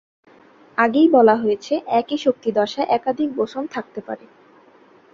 আগেই বলা হয়েছে, একই শক্তি দশায় একাধিক বোসন থাকতে পারে।